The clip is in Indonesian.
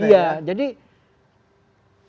iya jadi dia harus penuh kondisi